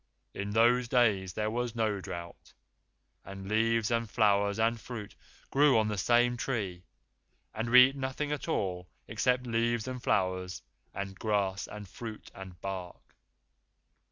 In those days there was no drought, and leaves and flowers and fruit grew on the same tree, and we ate nothing at all except leaves and flowers and grass and fruit and bark."